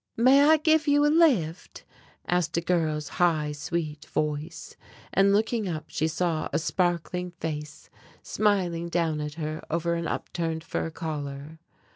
"May I give you a lift?" asked a girl's high sweet voice and, looking up, she saw a sparkling face smiling down at her over an upturned fur collar.